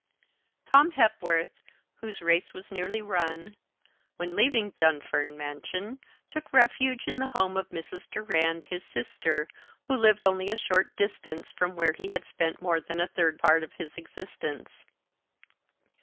Tom Hepworth, whose race was nearly run, when leaving Dunfern Mansion took refuge in the home of Mrs. Durand, his sister, who lived only a short distance from where he had spent more than a third part of his existence.